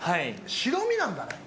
白身なんだね。